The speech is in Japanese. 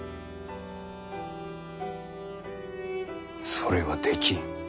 それはできん。